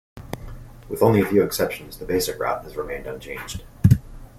With only a few exceptions, the basic route has remained unchanged.